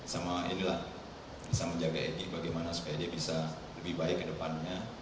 tapi inilah bisa menjaga egy bagaimana supaya dia bisa lebih baik kedepannya